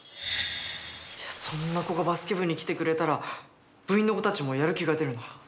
いやそんな子がバスケ部に来てくれたら部員の子たちもやる気が出るな。